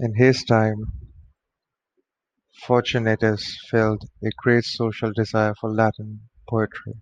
In his time, Fortunatus filled a great social desire for Latin poetry.